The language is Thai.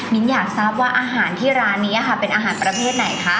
อยากทราบว่าอาหารที่ร้านนี้ค่ะเป็นอาหารประเภทไหนคะ